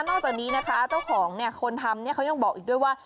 จากนี้นะคะเจ้าของเนี่ยคนทำเขายังบอกอีกด้วยว่า